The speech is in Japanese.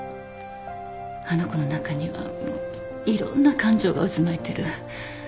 あの子の中にはいろんな感情が渦巻いてる。